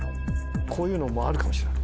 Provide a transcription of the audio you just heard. こういうのもあるかもしれない。